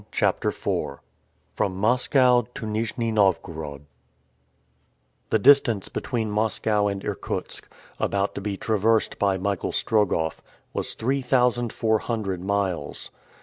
CHAPTER IV FROM MOSCOW TO NIJNI NOVGOROD THE distance between Moscow and Irkutsk, about to be traversed by Michael Strogoff, was three thousand four hundred miles.